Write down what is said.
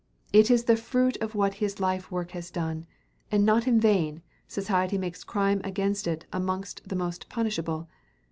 It is the fruit of what his life work has done; and not in vain, society makes crime against it amongst the most punishable.